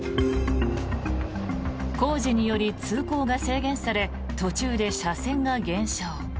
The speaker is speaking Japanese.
工事により通行が制限され途中で車線が減少。